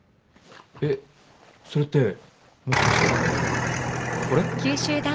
えっそれってもしかしてこれ？